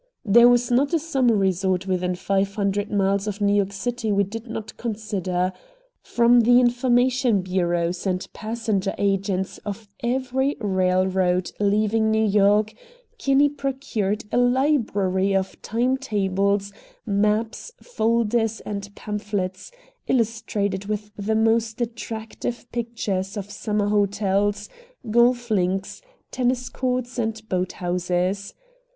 There was not a summer resort within five hundred miles of New York City we did not consider. From the information bureaus and passenger agents of every railroad leaving New York, Kinney procured a library of timetables, maps, folders, and pamphlets, illustrated with the most attractive pictures of summer hotels, golf links, tennis courts, and boat houses.